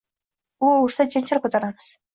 U ursa janjal ko‘taramiz.